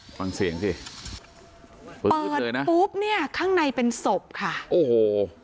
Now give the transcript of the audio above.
ฟังเสียงสิเปิดเลยนะปุ๊บเนี่ยข้างในเป็นศพค่ะโอ้โห